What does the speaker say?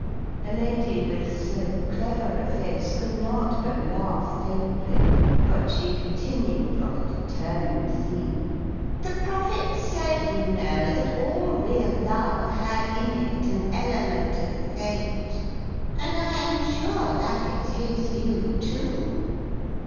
" A lady with so clever a face could not but laugh faintly ; but she continued on a determined theme,. "The Prophet said, you know, that all real love had in it an element of fate. And I am sure that is his view, too.